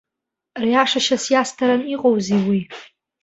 Риашашьас иасҭаран иҟоузеи уи?!